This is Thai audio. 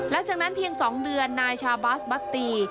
หลังจากนั้นเพียง๒เดือนนายชาบัสบัตตี